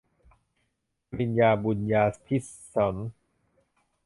ศรินยา บุนยาภิสนท์